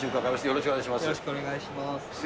よろしくお願いします。